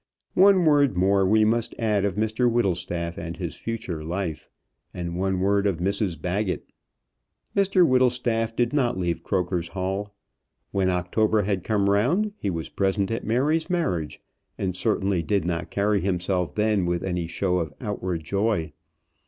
One word more we must add of Mr Whittlestaff and his future life, and one word of Mrs Baggett. Mr Whittlestaff did not leave Croker's Hall. When October had come round, he was present at Mary's marriage, and certainly did not carry himself then with any show of outward joy.